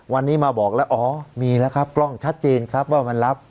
วันนี้มาบอกแล้วอ๋อมีแล้วครับกล้องชัดเจนครับว่ามันรับ